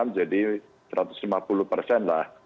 menjadi satu ratus lima puluh persen lah